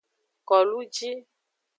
Koluji.